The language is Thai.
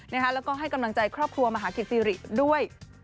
แล้วก็ให้กำลังใจครอบครัวมหากิจสิริด้วย